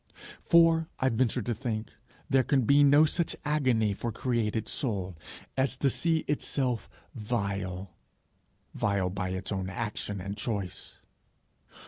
For, I venture to think, there can be no such agony for created soul, as to see itself vile vile by its own action and choice.